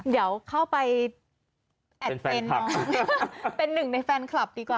เดี๋ยวเข้าไปเป็นหนึ่งในแฟนคลับดีกว่า